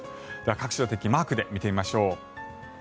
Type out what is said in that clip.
各地の天気をマークで見てみましょう。